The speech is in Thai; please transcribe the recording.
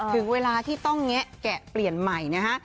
ถึงเวลาที่ต้องแงะแกะเปลี่ยนใหม่นะฮะ